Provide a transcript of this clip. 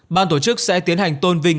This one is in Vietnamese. ban tổ chức sẽ tiến hành tôn vinh